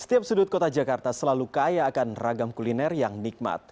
setiap sudut kota jakarta selalu kaya akan ragam kuliner yang nikmat